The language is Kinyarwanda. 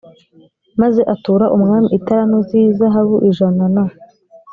maze atura umwami italanto z izahabu ijana na